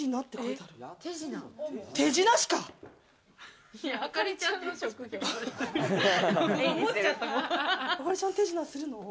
あかりちゃん、手品するの？